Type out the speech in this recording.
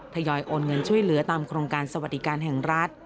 ทยอยโอนเงินช่วยเหลือตามโครงการสวัสดิการแห่งรัฐ